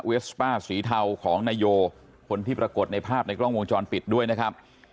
สป้าสีเทาของนายโยคนที่ปรากฏในภาพในกล้องวงจรปิดด้วยนะครับ